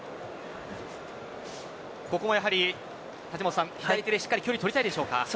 ここも左手でしっかり距離を取りたいでしょうか。